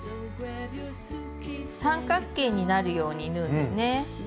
三角形になるように縫うんですね。